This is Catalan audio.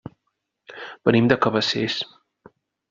Venim de Cabacés.